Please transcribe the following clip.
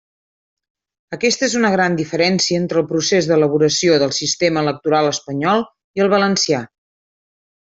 Aquesta és una gran diferència entre el procés d'elaboració del sistema electoral espanyol i el valencià.